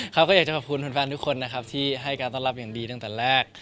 เขาก็อยากจะขอบคุณแฟนทุกคนนะครับที่ให้การต้อนรับอย่างดีตั้งแต่แรก